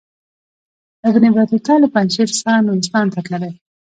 ابن بطوطه له پنجشیر څخه نورستان ته تللی.